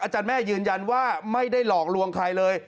แม่ยืนยันว่าไม่ได้หลอกลวงใครเลย